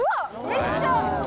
めっちゃ。